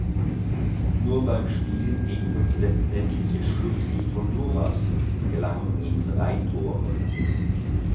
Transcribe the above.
Nur beim Spiel gegen das letztendliche Schlusslicht Honduras gelangen ihnen drei Tore.